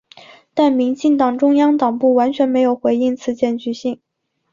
但民进党中央党部完全没有回应此检举信。